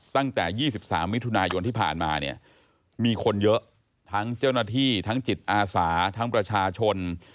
ตั้งแต่๒๓มิถุนายนที่ผ่านมาเนี่ยมีคนเยอะทั้งเจ้าหน้าที่ทั้งจิตอาสาทั้งประชาชน